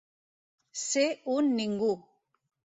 Ser un ningú.